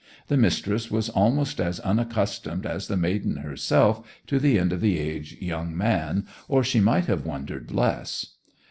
The mistress was almost as unaccustomed as the maiden herself to the end of the age young man, or she might have wondered less.